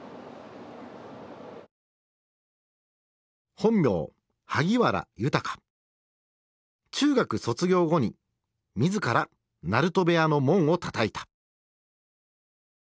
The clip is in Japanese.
本名中学卒業後に自ら鳴戸部屋の門をたたいた。